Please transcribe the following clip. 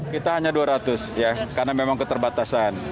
kita hanya dua ratus ya karena memang keterbatasan